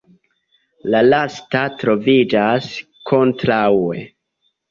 La lasta troviĝas kontraŭe.